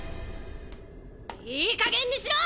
⁉いいかげんにしろ！